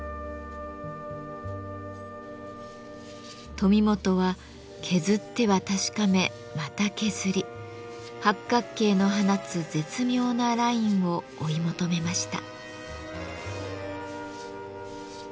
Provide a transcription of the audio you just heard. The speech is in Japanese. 富本は削っては確かめまた削り八角形の放つ絶妙なラインを追い求めました。